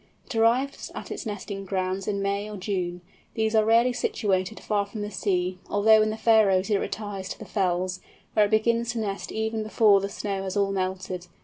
It arrives at its nesting grounds in May or June. These are rarely situated far from the sea, although in the Faröes it retires to the fells, where it begins to nest even before the snow has all melted.